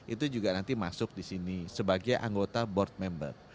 itu juga nanti masuk disini sebagai anggota board member